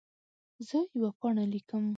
زه یوه پاڼه لیکم.